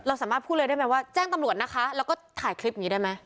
เราสามารถพูดได้ยังไงว่าแจ้งตำรวจนะคะแล้วก็ถ่ายคลิปนี้ได้มั้ย